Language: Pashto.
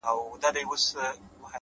• کرۍ ورځ یم وږې تږې ګرځېدلې,